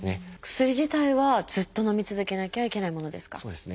薬自体はずっとのみ続けなきゃいけないものですか？